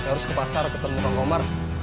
saya harus ke pasar ketemu bang komar